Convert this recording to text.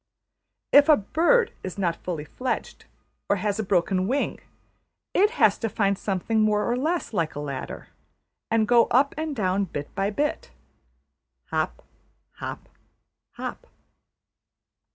If a bird is not fully fledged or has a broken wing, it has to find something more or less like a ladder; and go up and down bit by bit: hop, hop, hop.